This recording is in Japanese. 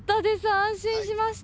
安心しました。